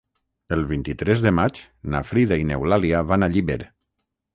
El vint-i-tres de maig na Frida i n'Eulàlia van a Llíber.